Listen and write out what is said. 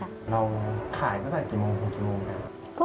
เราขายก็ได้กี่โมงถึงกี่โมงครับ